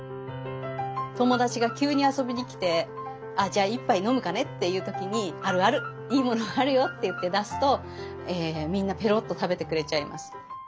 友達が急に遊びに来て「あじゃあ１杯飲むかね」っていう時に「あるあるいいものあるよ」って言って出すとみんなぺろっと食べてくれちゃいます。